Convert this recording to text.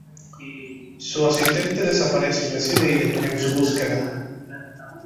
Su asistente desaparece y decide ir en su búsqueda.